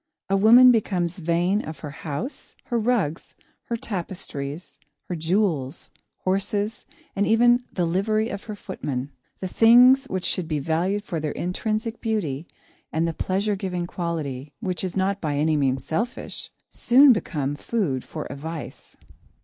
A woman becomes vain of her house, her rugs, her tapestries, her jewels, horses, and even of the livery of her footman. The things which should be valued for their intrinsic beauty and the pleasure giving quality, which is not by any means selfish, soon become food for a vice.